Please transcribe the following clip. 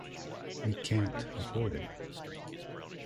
We can't afford it.